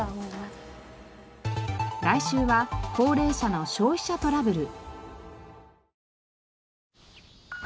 来週は高齢者の消費者トラブル。